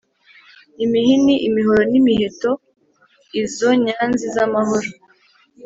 Imihini imihoro imiheto izo nyanzi z'amahoro